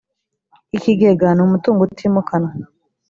ikigega ni umutungo utimukanwa